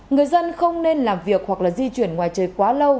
người dân không nên làm việc hoặc là di chuyển ngoài trời quá lâu